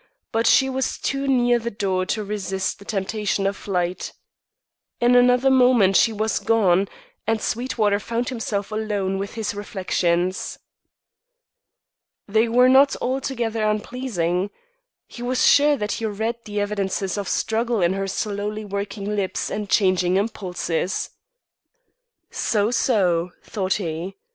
But she was too near the door to resist the temptation of flight. In another moment she was gone, and Sweetwater found himself alone with his reflections. They were not altogether unpleasing. He was sure that he read the evidences of struggle in her slowly working lips and changing impulses. "So, so!" thought he.